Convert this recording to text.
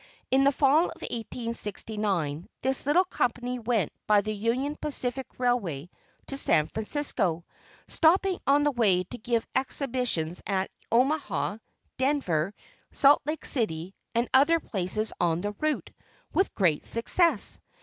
In the Fall of 1869, this little company went by the Union Pacific Railway to San Francisco, stopping on the way to give exhibitions at Omaha, Denver, Salt Lake City, and other places on the route, with great success.